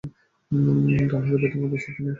ডানহাতে ব্যাটিংয়ে অভ্যস্ত তিনি।